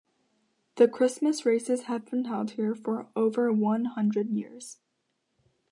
The Christmas races have been held here for over one hundred years.